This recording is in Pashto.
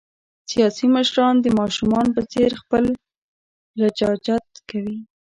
سیاسي مشران د ماشومان په څېر خپل لجاجت کوي.